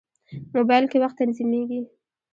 موبایل کې وخت تنظیمېږي.